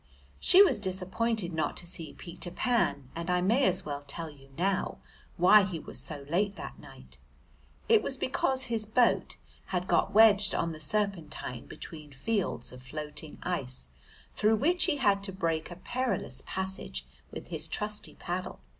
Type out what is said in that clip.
She was disappointed not to see Peter Pan, and I may as well tell you now why he was so late that night. It was because his boat had got wedged on the Serpentine between fields of floating ice, through which he had to break a perilous passage with his trusty paddle.